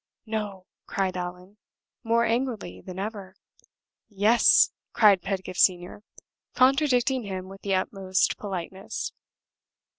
"No," cried Allan, more angrily than ever. "Yes!" cried Pedgift Senior, contradicting him with the utmost politeness.